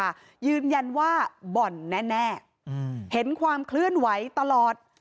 อายุหกสิบค่ะยืนยันว่าบ่อนแน่แน่อืมเห็นความเคลื่อนไหวตลอด